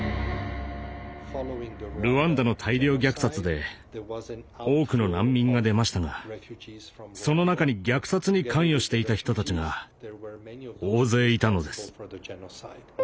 ルワンダの大量虐殺で多くの難民が出ましたがその中に虐殺に関与していた人たちが大勢いたのです。